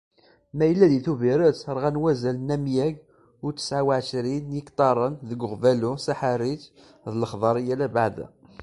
Mayella di Tubiret, rɣan wazal n amyag u tesεa u εecrin n yiktaren deg Uɣbalu, Saḥariǧ d Lexdariya abeɛda.